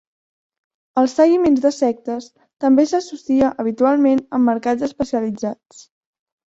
Els seguiments de sectes també s'associa habitualment amb mercats especialitzats.